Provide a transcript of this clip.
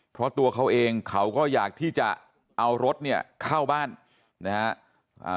เพราะตัวเขาเองเขาก็อยากที่จะเอารถเนี่ยเข้าบ้านนะฮะ